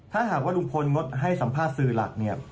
ถ้าหากว่าลุงพลงดให้สัมภาษณ์สื่อหลักเนี่ย